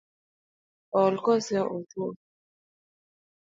Ool kose otuo?